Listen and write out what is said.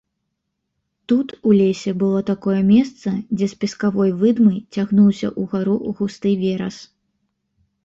Тут, у лесе, было такое месца, дзе з пескавой выдмы цягнуўся ўгару густы верас.